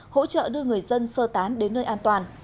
hỗ trợ đưa người dân sơ tán đến nơi an toàn